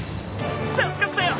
助かったよ！